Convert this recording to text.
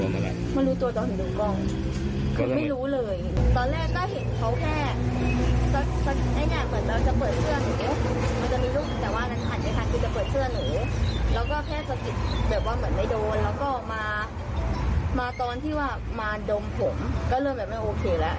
แบบว่าเหมือนไม่โดนแล้วก็มาตอนที่ว่ามาดมผมก็เริ่มแบบไม่โอเคแล้ว